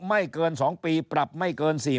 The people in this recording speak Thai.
ไม่เกิน๒ปีปรับไม่เกิน๔๐